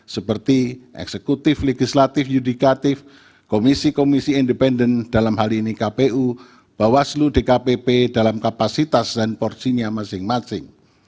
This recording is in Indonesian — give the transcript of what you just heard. seperti eksekutif legislatif yudikatif komisi komisi independen dalam hal ini kpu bawaslu dkpp dalam kapasitas dan porsinya masing masing